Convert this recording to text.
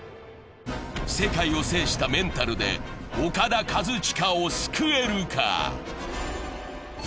世界を制したメンタルでオカダ・カズチカを救えるか？